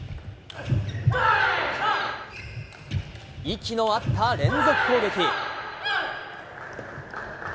息の合った連続攻撃。